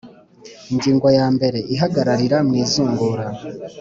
Ingingo ya mbere Ihagararira mu izungura